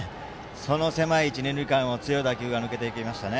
その狭い一、二塁間を強い打球が抜けていきましたね。